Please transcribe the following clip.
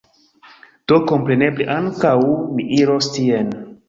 Do, kompreneble, ankaŭ mi iros tien